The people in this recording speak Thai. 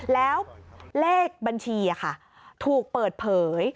แล้วเลขบัญชีถูกเปิดเผย